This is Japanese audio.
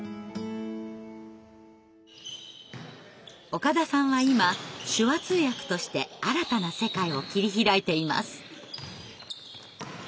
岡田さんは今手話通訳として新たな世界を切り開いています。